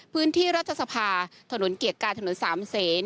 พื้นที่รัฐสภาถนนเกียรติกายถนนสามเซน